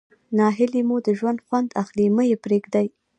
ناهلي مو د ژوند خوند اخلي مه ئې پرېږدئ.